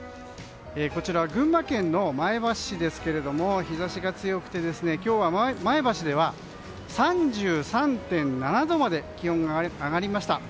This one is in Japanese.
こちらは群馬県の前橋市ですが日差しが強くて今日は前橋では３３．７度まで気温が上がりました。